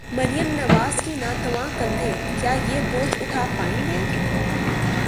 مریم نواز کے ناتواں کندھے، کیا یہ بوجھ اٹھا پائیں گے؟